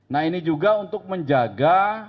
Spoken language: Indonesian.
nah ini juga untuk menjaga